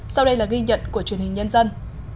sau đây là ghi nhận của truyền hình nhân dân